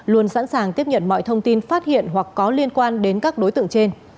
luôn sẵn sàng tiếp nhận mọi thông tin phát hiện hoặc có liên quan đến các đối tượng trên